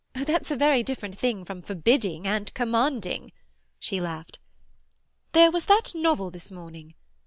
"Oh, that's a very different thing from forbidding and commanding!" she laughed. "There was that novel this morning.